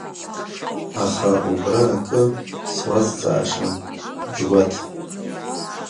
Аха убра акы суазҵаашан, Џьгәаҭ?